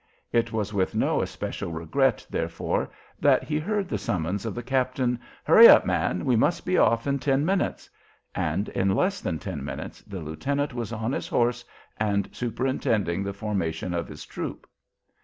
It was with no especial regret, therefore, that he heard the summons of the captain, "Hurry up, man; we must be off in ten minutes." And in less than ten minutes the lieutenant was on his horse and superintending the formation of his troop.